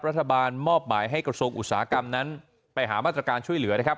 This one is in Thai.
รัฐบาลมอบหมายให้กระทรวงอุตสาหกรรมนั้นไปหามาตรการช่วยเหลือนะครับ